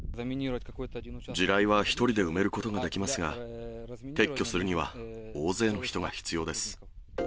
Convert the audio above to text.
地雷は１人で埋めることができますが、撤去するには大勢の人が必要です。